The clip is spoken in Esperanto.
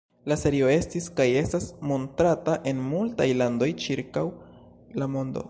La serio estis kaj estas montrata en multaj landoj ĉirkaŭ la mondo.